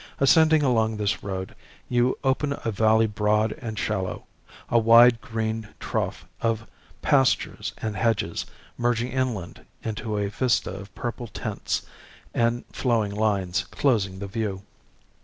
Ascending along this road, you open a valley broad and shallow, a wide green trough of pastures and hedges merging inland into a vista of purple tints and flowing lines closing the view.